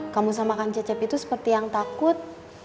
kamu sama kang cecep itu seperti yang takut